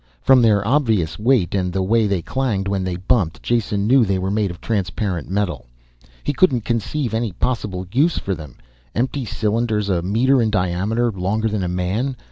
From their obvious weight and the way they clanged when they bumped, Jason knew they were made of transparent metal. He couldn't conceive any possible use for them. Empty cylinders a meter in diameter, longer than a man.